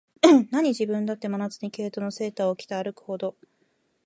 なに、自分だって、真夏に毛糸のセーターを着て歩くほど、